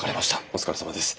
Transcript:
お疲れさまです。